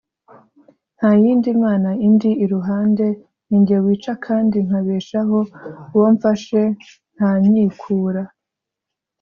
nta yindi mana indi iruhande, ni jye wica kandi nkabeshaho, uwo mfashe ntanyikura.